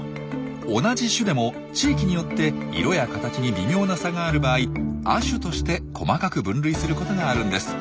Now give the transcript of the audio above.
同じ種でも地域によって色や形に微妙な差がある場合「亜種」として細かく分類することがあるんです。